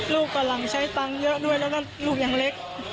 กำลังใช้ตังค์เยอะด้วยแล้วก็ลูกยังเล็ก